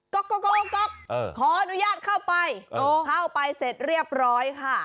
ก็ก็ก็ก็ก็ก็ขออนุญาตเข้าไปเข้าไปเสร็จเรียบร้อยค่ะ